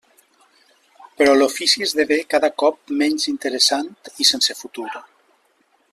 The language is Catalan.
Però l'ofici esdevé cada cop menys interessant i sense futur.